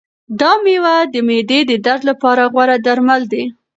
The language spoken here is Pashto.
دا مېوه د معدې د درد لپاره غوره درمل دی.